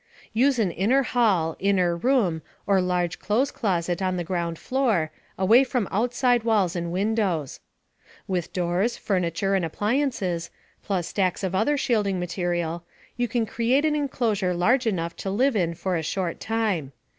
Use an inner hall, inner room or large clothes closet on the ground floor, away from outside walls and windows. With doors, furniture and appliances, plus stacks of other shielding material, you can create an enclosure large enough to live in for a short time.